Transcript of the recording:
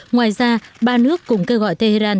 ngoài ra ba nước cũng kêu gọi tehran